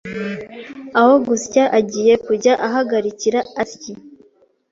aho gusya agiye kujya ahagarikira asyi